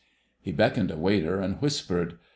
He beckoned a waiter and whispered.